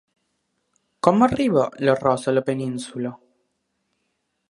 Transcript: Com arriba l’arròs a la península?